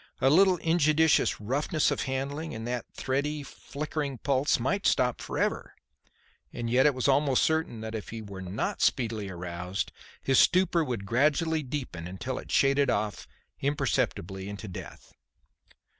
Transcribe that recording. A little injudicious roughness of handling, and that thready, flickering pulse might stop for ever; and yet it was almost certain that if he were not speedily aroused, his stupor would gradually deepen until it shaded off imperceptibly into death.